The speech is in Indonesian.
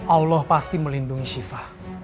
allah pasti melindungi shiva